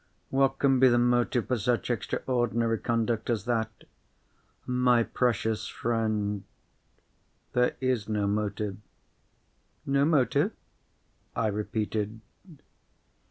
What can be the motive for such extraordinary conduct as that? My precious friend, there is no motive." "No motive?" I repeated.